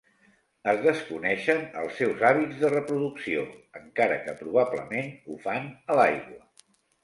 Es desconeixen els seus hàbits de reproducció, encara que probablement ho fan a l'aigua.